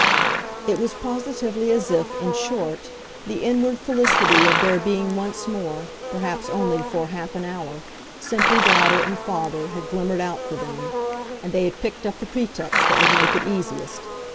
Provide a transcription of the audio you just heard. It was positively as if, in short, the inward felicity of their being once more, perhaps only for half an hour, simply daughter and father had glimmered out for them, and they had picked up the pretext that would make it easiest.